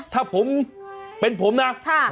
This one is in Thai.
ถ้าผมเป็นผมนะ